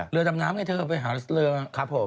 เรือดำน้ำไงเธอไปหาเรือครับผม